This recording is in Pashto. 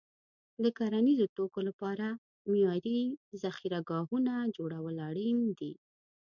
د کرنیزو توکو لپاره معیاري ذخیره ګاهونه جوړول اړین دي.